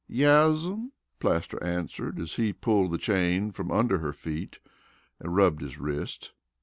"Yes'm," Plaster answered as he pulled the chain from under her feet and rubbed his wrist.